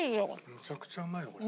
めちゃくちゃうまいよこれ。